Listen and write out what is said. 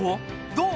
どう？